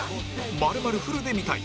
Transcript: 丸々フルで見たい！